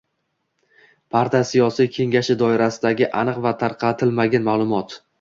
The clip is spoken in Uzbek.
partiya siyosiy kengashi doirasidagi aniq va tarqatilmagan ma’lumot.